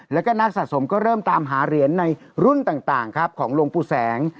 แล้วก็นักสะสมก็เริ่มตามหาเหรียญในรุ่นต่างครับของหลวงปู่แสง